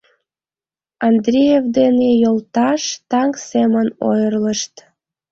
Андреев дене йолташ, таҥ семын ойырлышт.